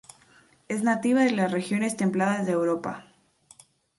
Es nativa de las regiones templadas de Europa.